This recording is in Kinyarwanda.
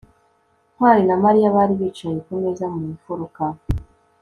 ntwali na mariya bari bicaye kumeza mu mfuruka